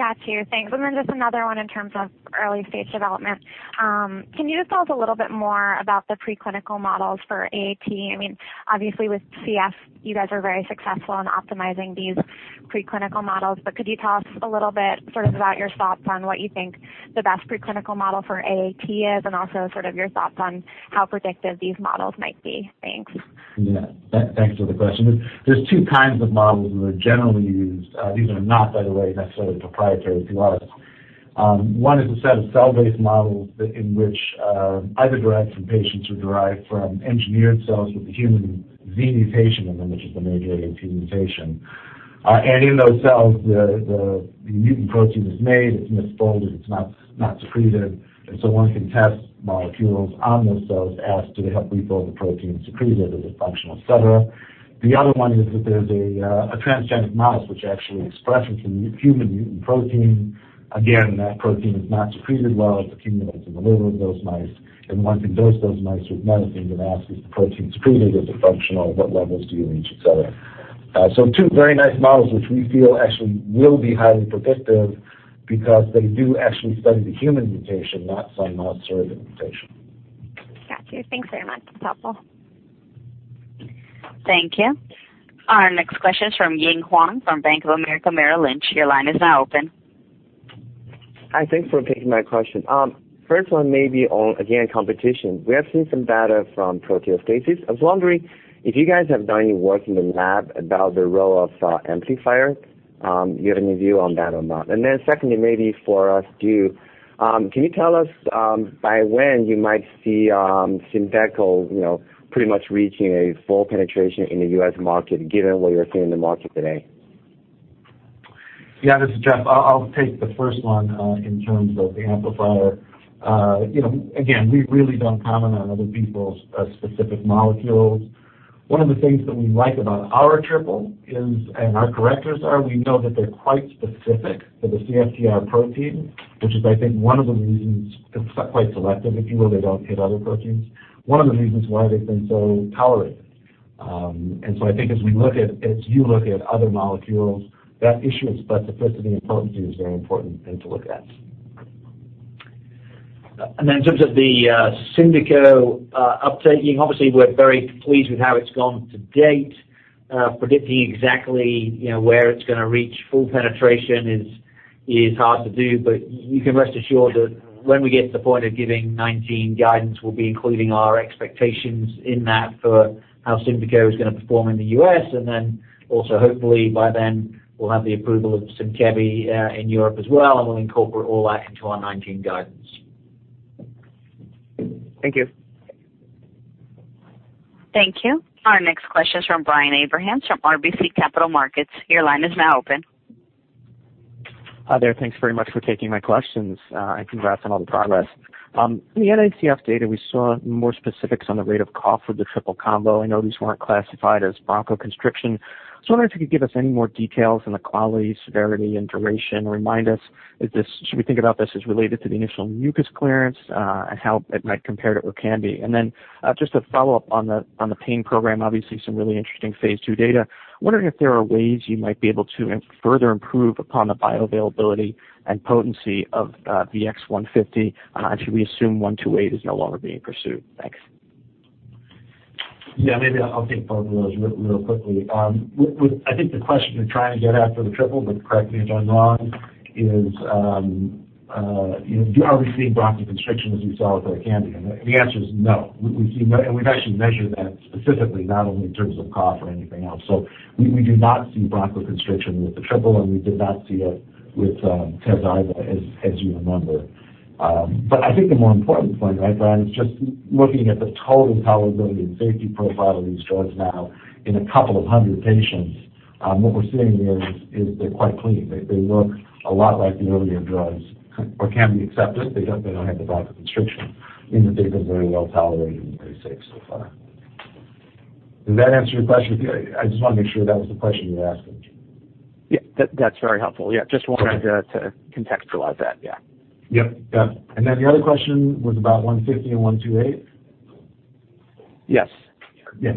M: Got you. Thanks. Then just another one in terms of early-stage development. Can you just tell us a little bit more about the preclinical models for AAT? Obviously, with CF, you guys are very successful in optimizing these preclinical models, but could you tell us a little bit about your thoughts on what you think the best preclinical model for AAT is, and also your thoughts on how predictive these models might be? Thanks.
B: Thanks for the question. There are two kinds of models that are generally used. These are not, by the way, necessarily proprietary to us. One is a set of cell-based models in which either derived from patients or derived from engineered cells with the human Z mutation in them, which is the major AAT mutation. In those cells, the mutant protein is made, it's misfolded, it's not secreted. One can test molecules on those cells, ask do they help rebuild the protein, secrete it? Is it functional, et cetera. The other one is that there is a transgenic mouse which actually expresses the human mutant protein. Again, that protein is not secreted well, it accumulates in the liver of those mice. One can dose those mice with medicine and ask, is the protein secreted? Is it functional? What levels do you reach, et cetera. Two very nice models, which we feel actually will be highly predictive because they do actually study the human mutation, not some mouse surrogate mutation.
M: Got you. Thanks very much. That's helpful.
D: Thank you. Our next question is from Ying Huang from Bank of America Merrill Lynch. Your line is now open.
N: Hi. Thanks for taking my question. First one, maybe on, again, competition. We have seen some data from Proteostasis. I was wondering if you guys have done any work in the lab about the role of amplifier. Do you have any view on that or not? Secondly, maybe for us too, can you tell us by when you might see SYMDEKO pretty much reaching a full penetration in the U.S. market, given what you're seeing in the market today?
B: This is Jeff. I'll take the first one in terms of the AMPA receptor. Again, we really don't comment on other people's specific molecules. One of the things that we like about our triple is, and our correctors are, we know that they're quite specific for the CFTR protein, which is, I think, one of the reasons it's quite selective. If you will, they don't hit other proteins. One of the reasons why they've been so tolerated. I think as you look at other molecules, that issue of specificity and potency is a very important thing to look at.
I: In terms of the SYMDEKO uptaking, obviously, we're very pleased with how it's gone to date. Predicting exactly where it's going to reach full penetration is hard to do, but you can rest assured that when we get to the point of giving 2019 guidance, we'll be including our expectations in that for how SYMDEKO is going to perform in the U.S. Also, hopefully, by then, we'll have the approval of SYMKEVI in Europe as well, and we'll incorporate all that into our 2019 guidance.
N: Thank you.
D: Thank you. Our next question is from Brian Abrahams from RBC Capital Markets. Your line is now open.
O: Hi there. Thanks very much for taking my questions. Congrats on all the progress. In the NACFC data, we saw more specifics on the rate of cough with the triple combo. I know these weren't classified as bronchoconstriction. I was wondering if you could give us any more details on the quality, severity, and duration, or remind us, should we think about this as related to the initial mucus clearance, and how it might compare to ORKAMBI? Just a follow-up on the pain program. Obviously, some really interesting phase II data. I'm wondering if there are ways you might be able to further improve upon the bioavailability and potency of VX-150. Should we assume VX-128 is no longer being pursued? Thanks.
B: Yeah, maybe I'll take both of those real quickly. I think the question you're trying to get at for the triple, but correct me if I'm wrong, is are we seeing bronchoconstriction as you saw with ORKAMBI? The answer is no. We've actually measured that specifically, not only in terms of cough or anything else. We do not see bronchoconstriction with the triple, and we did not see it with tez/iva, as you remember. I think the more important point, Brian, is just looking at the total tolerability and safety profile of these drugs now in a couple of hundred patients. What we're seeing is they're quite clean. They look a lot like the earlier drugs, ORKAMBI except that they don't have the bronchoconstriction, and the data is very well-tolerated and very safe so far. Does that answer your question? I just want to make sure that was the question you were asking.
O: That's very helpful. Just wanted to contextualize that.
B: Yep. Then the other question was about 150 and VX-128.
O: Yes.
B: Yeah.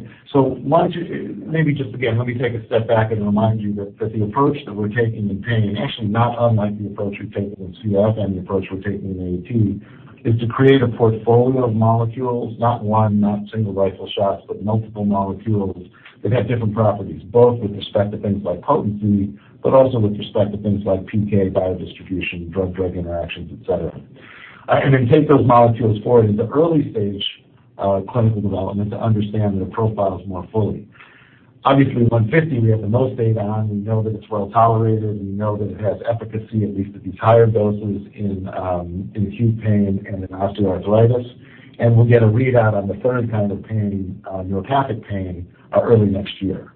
B: Maybe just again, let me take a step back and remind you that the approach that we're taking in pain, actually not unlike the approach we've taken in CF and the approach we're taking in AAT, is to create a portfolio of molecules, not one, not single rifle shots, but multiple molecules that have different properties, both with respect to things like potency, but also with respect to things like PK, biodistribution, drug-drug interactions, et cetera. Then take those molecules forward into early-stage clinical development to understand their profiles more fully. Obviously, 150, we have the most data on. We know that it's well-tolerated, and we know that it has efficacy, at least at these higher doses in acute pain and in osteoarthritis. We'll get a readout on the third kind of pain, neuropathic pain, early next year.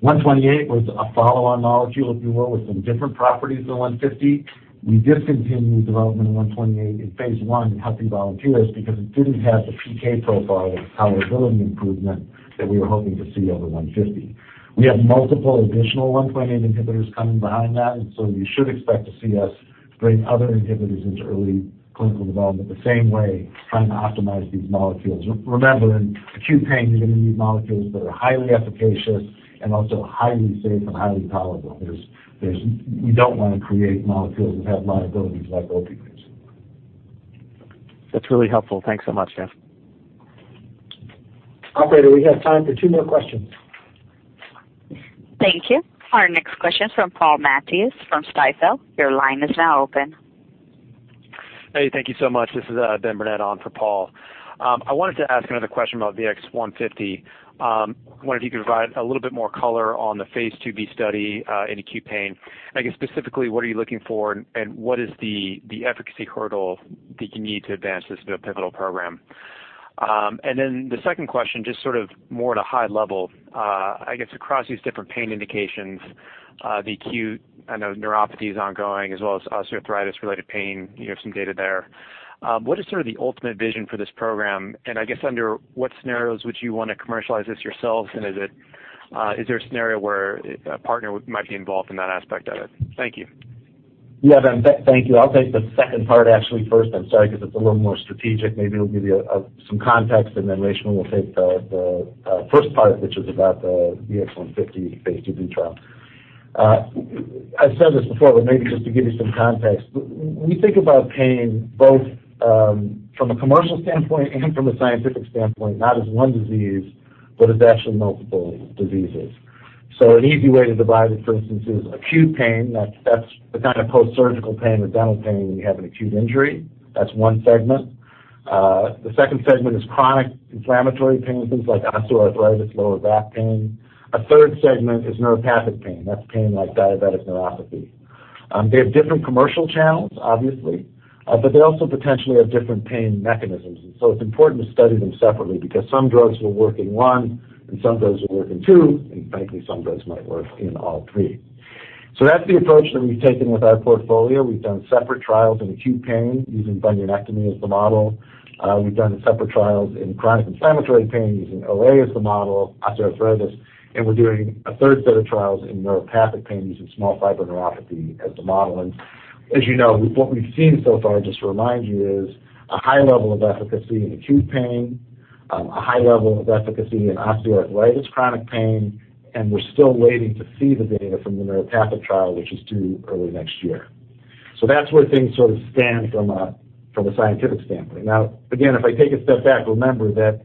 B: One twenty-eight was a follow-on molecule, if you will, with some different properties than 150. We discontinued development of VX-128 in phase I in healthy volunteers because it didn't have the PK profile or tolerability improvement that we were hoping to see over 150. We have multiple additional 1.8 inhibitors coming behind that, you should expect to see us bring other inhibitors into early-stage clinical development, the same way, trying to optimize these molecules. Remember, in acute pain, you're going to need molecules that are highly efficacious and also highly safe and highly tolerable. We don't want to create molecules that have liabilities like opioids.
O: That's really helpful. Thanks so much, Jeff.
A: Operator, we have time for two more questions.
D: Thank you. Our next question is from Paul Matteis from Stifel. Your line is now open.
P: Hey, thank you so much. This is Ben Burnett on for Paul. I wanted to ask another question about VX-150. I wondered if you could provide a little bit more color on the phase II-B study in acute pain. I guess, specifically, what are you looking for, and what is the efficacy hurdle that you need to advance this pivotal program? The second question, just sort of more at a high level, I guess across these different pain indications, the acute, I know neuropathy is ongoing as well as osteoarthritis-related pain. You have some data there. What is sort of the ultimate vision for this program? I guess under what scenarios would you want to commercialize this yourselves, and is there a scenario where a partner might be involved in that aspect of it? Thank you.
B: Yeah, Ben. Thank you. I'll take the second part actually first, I'm sorry, because it's a little more strategic. Maybe it'll give you some context, and then Reshma will take the first part, which is about the VX-150 phase II-B trial. I've said this before, but maybe just to give you some context. We think about pain both from a commercial standpoint and from a scientific standpoint, not as one disease, but as actually multiple diseases. An easy way to divide it, for instance, is acute pain. That's the kind of post-surgical pain or dental pain when you have an acute injury. That's one segment. The second segment is chronic inflammatory pain, things like osteoarthritis, lower back pain. A third segment is neuropathic pain. That's pain like diabetic neuropathy. They have different commercial channels, obviously, but they also potentially have different pain mechanisms. It's important to study them separately because some drugs will work in one, and some drugs will work in two, and frankly, some drugs might work in all three. That's the approach that we've taken with our portfolio. We've done separate trials in acute pain using bunionectomy as the model. We've done separate trials in chronic inflammatory pain using OA as the model, osteoarthritis. We're doing a third set of trials in neuropathic pain using small fiber neuropathy as the model. As you know, what we've seen so far, just to remind you, is a high level of efficacy in acute pain, a high level of efficacy in osteoarthritis chronic pain, and we're still waiting to see the data from the neuropathic trial, which is due early next year. That's where things sort of stand from a scientific standpoint. Now, again, if I take a step back, remember that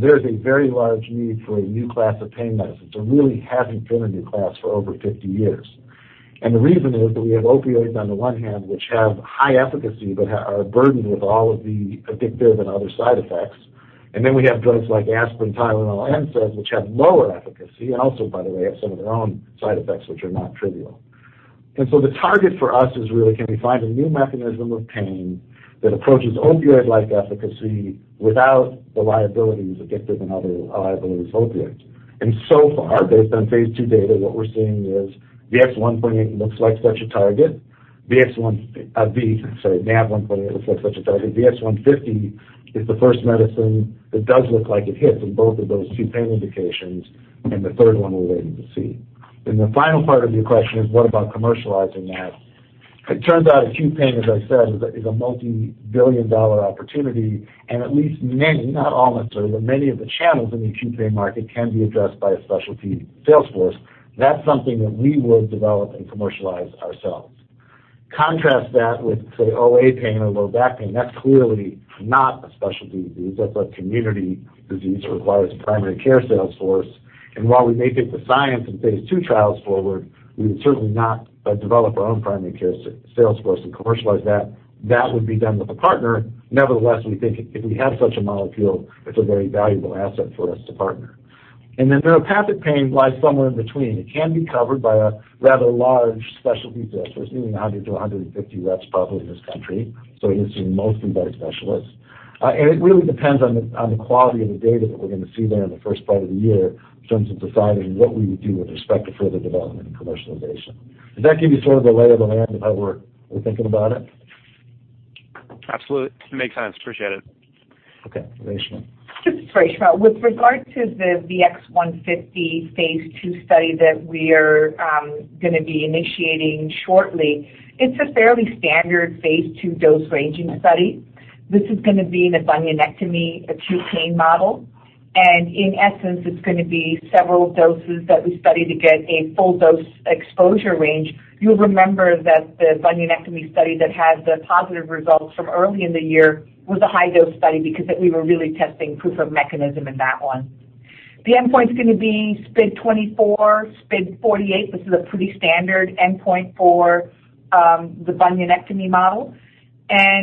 B: there is a very large need for a new class of pain medicines. There really hasn't been a new class for over 50 years. The reason is that we have opioids on the one hand, which have high efficacy, but are burdened with all of the addictive and other side effects. We have drugs like aspirin, Tylenol, NSAIDs, which have lower efficacy, and also, by the way, have some of their own side effects, which are not trivial. The target for us is really, can we find a new mechanism of pain that approaches opioid-like efficacy without the liabilities, addictive and other liabilities of opioids? So far, based on phase II data, what we're seeing is NaV1.8 looks like such a target. Sorry, NaV1.8 looks like such a target. VX-150 is the first medicine that does look like it hits in both of those two pain indications, and the third one we're waiting to see. The final part of your question is what about commercializing that? It turns out acute pain, as I said, is a multi-billion dollar opportunity, and at least many, not all necessarily, but many of the channels in the acute pain market can be addressed by a specialty sales force. That's something that we would develop and commercialize ourselves. Contrast that with, say, OA pain or low back pain. That's clearly not a specialty disease. That's a community disease, requires a primary care sales force. While we may take the science and phase II trials forward, we would certainly not develop our own primary care sales force and commercialize that. That would be done with a partner. Nevertheless, we think if we have such a molecule, it's a very valuable asset for us to partner. Neuropathic pain lies somewhere in between. It can be covered by a rather large specialty sales force, maybe 100 to 150 reps probably in this country. It is mostly by specialists. It really depends on the quality of the data that we're going to see there in the first part of the year in terms of deciding what we would do with respect to further development and commercialization. Does that give you sort of the lay of the land of how we're thinking about it?
P: Absolutely. Makes sense. Appreciate it.
B: Okay. Reshma.
H: This is Reshma. With regard to the VX-150 phase II study that we are going to be initiating shortly, it's a fairly standard phase II dose ranging study. This is going to be in a bunionectomy acute pain model. In essence, it's going to be several doses that we study to get a full dose exposure range. You'll remember that the bunionectomy study that had the positive results from early in the year was a high-dose study because we were really testing proof of mechanism in that one. The endpoint is going to be SPID24, SPID48. This is a pretty standard endpoint for the bunionectomy model.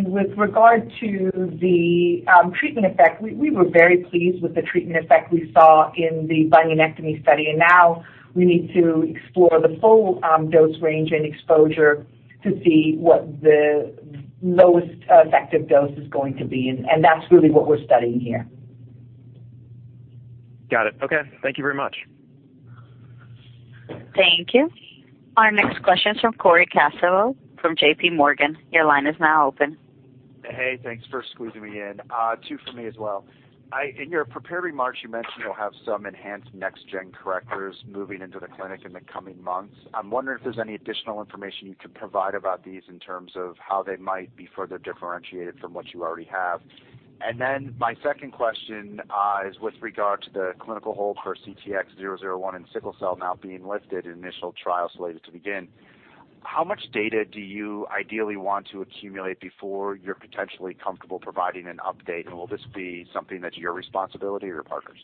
H: With regard to the treatment effect, we were very pleased with the treatment effect we saw in the bunionectomy study. Now we need to explore the full dose range and exposure to see what the lowest effective dose is going to be. That's really what we're studying here.
P: Got it. Okay. Thank you very much.
D: Thank you. Our next question is from Cory Kasimov from JP Morgan. Your line is now open.
Q: Hey, thanks for squeezing me in. Two for me as well. In your prepared remarks, you mentioned you'll have some enhanced next-gen correctors moving into the clinic in the coming months. I'm wondering if there's any additional information you could provide about these in terms of how they might be further differentiated from what you already have. My second question is with regard to the clinical hold for CTX001 in sickle cell now being lifted, initial trials slated to begin. How much data do you ideally want to accumulate before you're potentially comfortable providing an update? Will this be something that's your responsibility or your partner's?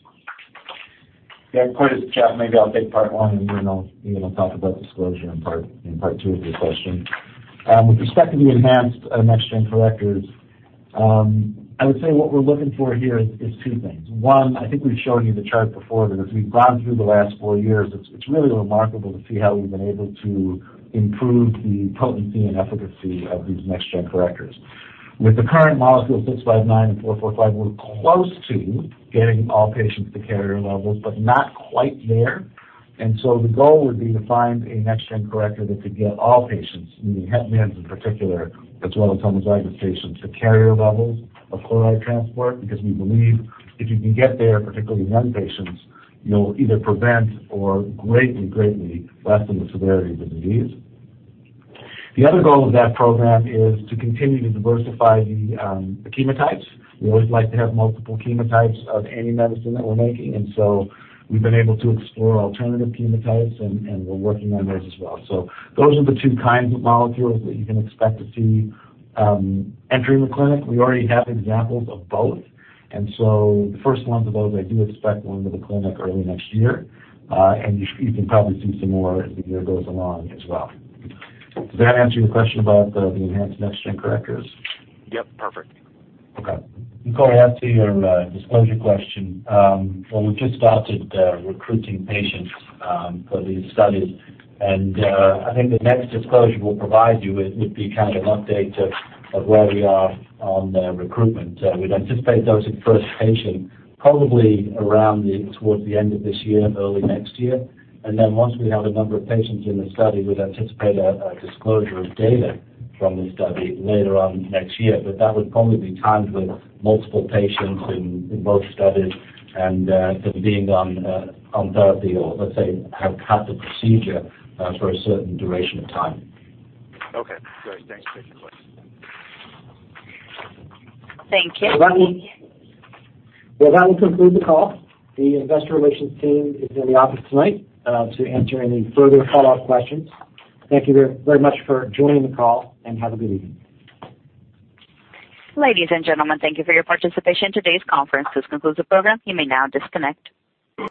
B: Yeah, Cory, this is Jeff. Maybe I'll take part one, and Ian will talk about disclosure in part two of your question. With respect to the enhanced next-gen correctors, I would say what we're looking for here is two things. One, I think we've shown you the chart before, but as we've gone through the last four years, it's really remarkable to see how we've been able to improve the potency and efficacy of these next-gen correctors. With the current molecule, six five nine and four four five, we're close to getting all patients to carrier levels, but not quite there. The goal would be to find a next-gen corrector that could get all patients, meaning het mins in particular, as well as homozygous patients, to carrier levels of chloride transport, because we believe if you can get there, particularly young patients, you'll either prevent or greatly lessen the severity of the disease. The other goal of that program is to continue to diversify the chemotypes. We always like to have multiple chemotypes of any medicine that we're making, we've been able to explore alternative chemotypes, and we're working on those as well. Those are the two kinds of molecules that you can expect to see entering the clinic. We already have examples of both. The first ones of those, I do expect will enter the clinic early next year. You can probably see some more as the year goes along as well. Does that answer your question about the enhanced next-gen correctors?
Q: Yep, perfect.
B: Okay.
C: Cory, as to your disclosure question, well, we've just started recruiting patients for these studies. I think the next disclosure we'll provide you with would be kind of an update of where we are on the recruitment. We'd anticipate dosing the first patient probably around towards the end of this year, early next year. Once we have a number of patients in the study, we'd anticipate a disclosure of data from the study later on next year. That would probably be timed with multiple patients in both studies and being on therapy, or let's say, have had the procedure for a certain duration of time.
Q: Okay, great. Thanks. Take it away.
D: Thank you.
B: Well, that will conclude the call. The investor relations team is in the office tonight to answer any further follow-up questions. Thank you very much for joining the call, and have a good evening.
D: Ladies and gentlemen, thank you for your participation in today's conference. This concludes the program. You may now disconnect.